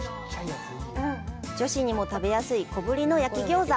女子にも食べやすい小ぶりの焼き餃子。